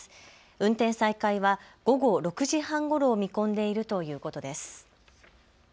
運転再開は午後６時半ごろを見込んでいるということです。